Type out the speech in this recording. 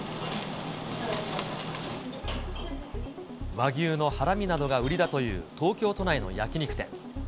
和牛のハラミなどが売りだという東京都内の焼き肉店。